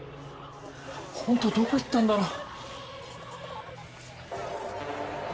ホントどこ行ったんだろう。